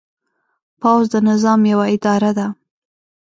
پوځ د نظام یوه اداره ده.